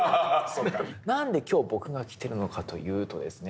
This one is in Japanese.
何で今日僕が来てるのかというとですね